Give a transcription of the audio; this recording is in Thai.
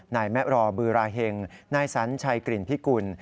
นายแมะรอบือราเห็งนายสัญชัยกลิ่นพิกุล